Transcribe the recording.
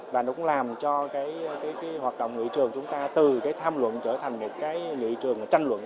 và nó cũng làm cho cái hoạt động nghị trường chúng ta từ cái tham luận trở thành cái nghị trường tranh luận